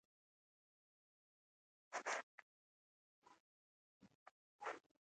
• بخښل د لوی زړه کار دی.